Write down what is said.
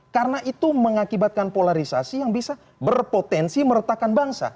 karena itu mengakibatkan polarisasi yang bisa berpotensi meretakan bangsa